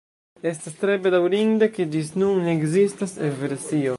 Estas tre bedaŭrinde ke ĝis nun ne ekzistas E-versio.